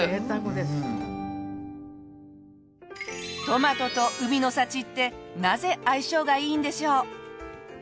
トマトと海の幸ってなぜ相性がいいんでしょう？